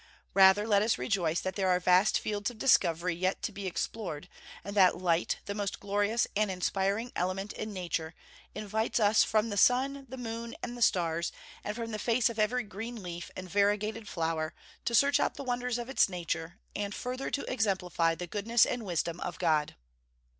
Rather let us rejoice that there are vast fields of discovery yet to be explored; and that light, the most glorious and inspiring element in nature, invites us from the sun, the moon, and the stars, and from the face of every green leaf and variegated flower, to search out the wonders of its nature, and further to exemplify the goodness and wisdom of God.